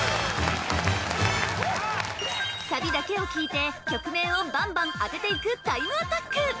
サビだけを聴いて曲名をバンバン当てていくタイムアタック！